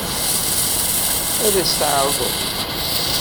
Ad as-t-tɛeṛḍem?